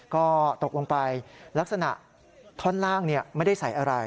ก็ตกลงไปลักษณะท่อนล่างไม่ได้ใส่อะไร